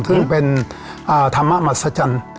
ซึ่งเป็นธรรมมัศจรรย์